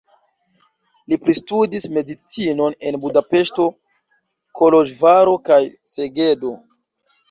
Li pristudis medicinon en Budapeŝto, Koloĵvaro kaj Segedo.